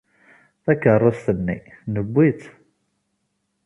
Takeṛṛust-nni, newwi-tt.